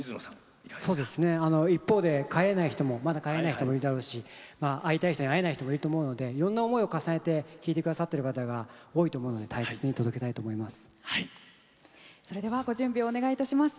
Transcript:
一方でまだ帰れない人もいるだろうし会いたい人に会えない人もいるだろうしいろんな思いを重ねて聴いてくださっている方がいるので大切に歌いたいと思います。